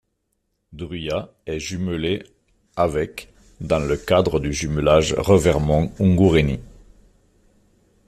Druillat est jumelée avec dans le cadre du jumelage Revermont-Ungureni.